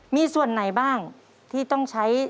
มีส่วนไหนบ้างที่ต้องใช้